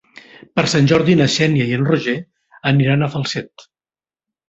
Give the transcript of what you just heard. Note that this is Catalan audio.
Per Sant Jordi na Xènia i en Roger aniran a Falset.